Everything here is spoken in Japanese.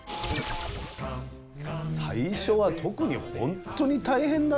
最初は特に本当に大変だったね。